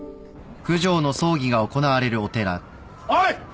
おい！